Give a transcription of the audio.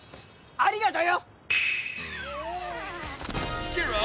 ありがとう！